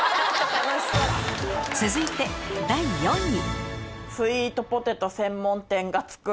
続いて第４位あら。